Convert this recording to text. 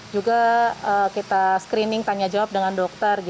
juga kita screening tanya jawab dengan dokter